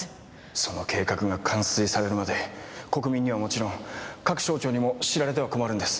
その計画が完遂されるまで国民にはもちろん各省庁にも知られては困るんです。